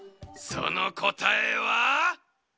そのこたえは。